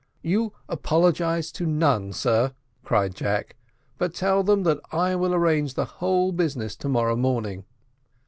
"You apologise to none, sir," cried Jack; "but tell them that I will arrange the whole business to morrow morning.